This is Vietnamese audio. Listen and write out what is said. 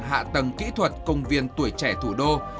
hạ tầng kỹ thuật công viên tuổi trẻ thủ đô